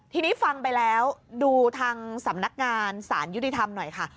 ทีนี้ฟังไปแล้วดูทางสำนักงานสารยุติธรรมหน่อยค่ะ